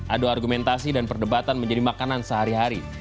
adu argumentasi dan perdebatan menjadi makanan sehari hari